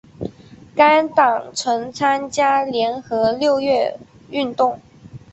该党曾参加联合六月运动。